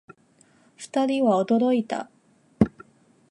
二人は驚いた